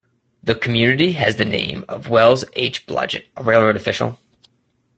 The community has the name of Wells H. Blodgett, a railroad official.